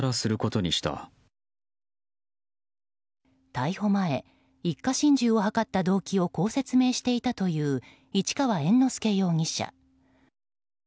逮捕前一家心中を図った動機をこう説明していたという市川猿之助容疑者。